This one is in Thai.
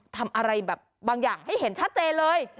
ทำอะไรแบบบางอย่างให้เห็นชัดเจนเลย